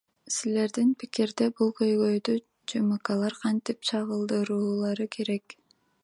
Силердин пикирде, бул көйгөйдү ЖМКлар кантип чагылдыруулары керек?